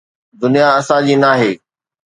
دنيا اسان جي ناهي.